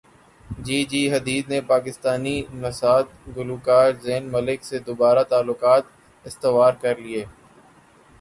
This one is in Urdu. جی جی حدید نے پاکستانی نژاد گلوکار زین ملک سے دوبارہ تعلقات استوار کرلیے